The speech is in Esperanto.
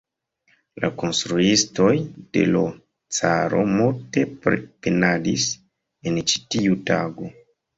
La kuiristoj de l' caro multe penadis en ĉi tiu tago.